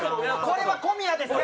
これは小宮です！